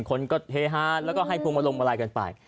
คนก็เทฮาแล้วก็ให้ผงมาลงมารายกันไป